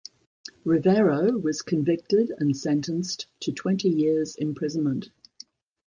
Rivero was convicted and sentenced to twenty years' imprisonment.